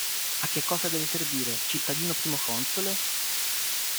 A che cosa deve servire, cittadino Primo Console?